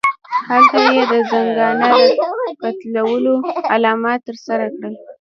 هلته یې د زنګانه د کتلولو عملیات ترسره کړل.